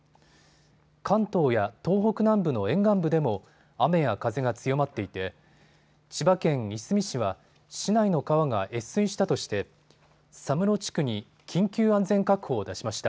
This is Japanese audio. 関東や東北南部の沿岸部でも雨や風が強まっていて千葉県いすみ市は市内の川が越水したとして佐室地区に緊急安全確保を出しました。